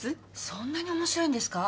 そんなに面白いんですか？